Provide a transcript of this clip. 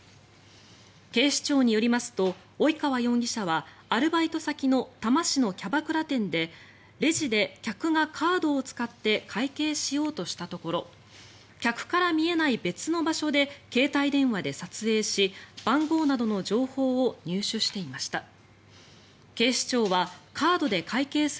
警視庁によりますと及川容疑者はアルバイト先の多摩市のキャバクラ店でレジで客がカードを使って会計しようとしたところ客から見えない別の場所で携帯電話で撮影し番号などの情報を入手していました。